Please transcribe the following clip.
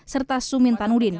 serta sumin tanudin